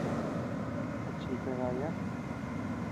A chíita daya.